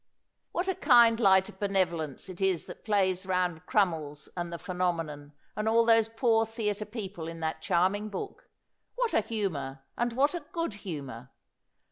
What a kind light of benevolence it is that plays round Crummies and the Phenomenon, and all those poor theater people in that charming book ! What a humor ! and what a good humor